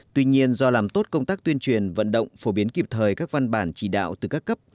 tuy nhiên do làm tốt công tác tuyên truyền vận động phổ biến kịp thời các văn bản chỉ đạo từ các cấp